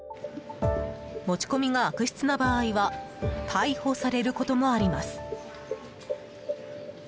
持ち込みが悪質な場合は逮捕されることもあります。